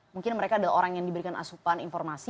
mungkin mereka adalah orang yang diberikan asupan informasi